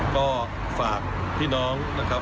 ก็ฝากพี่น้องนะครับ